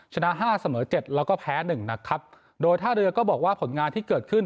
ชนะห้าเสมอเจ็ดแล้วก็แพ้หนึ่งนะครับโดยท่าเรือก็บอกว่าผลงานที่เกิดขึ้น